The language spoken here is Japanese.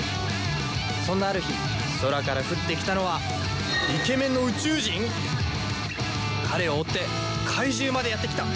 そんなある日空から降ってきたのは彼を追って怪獣までやってきた。